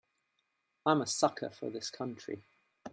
I'm a sucker for this country.